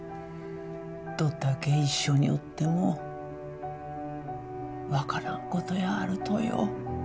どっだけ一緒におっても分からんことやあるとよ。